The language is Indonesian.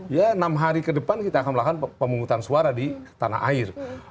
ya enam hari ke depan kita akan melakukan pemungutan suara di tanah air